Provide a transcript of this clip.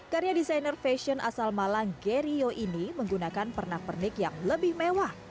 karena desainer fashion asal malang gerio ini menggunakan pernak pernik yang lebih mewah